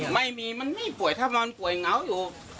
ไม่มีมันไม่ป่วยถ้านอนป่วยเหงาอยู่